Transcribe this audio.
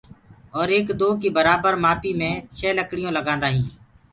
اور ايڪآ دو ڪي برآبر مآپي مي ڇي لڪڙيو لگآندآ هينٚ